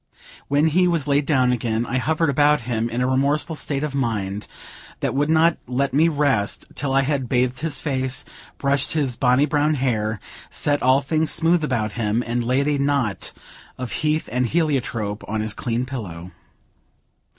When he was laid down again, I hovered about him, in a remorseful state of mind that would not let me rest, till I had bathed his face, brushed his "bonny brown hair," set all things smooth about him, and laid a knot of heath and heliotrope on his clean pillow.